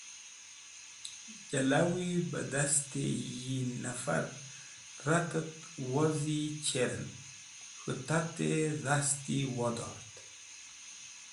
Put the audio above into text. Jilawi beh dasti yi nafar ret et wozi chern k̃hũ tat-e dasti wodort.